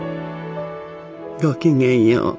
ごきげんよう。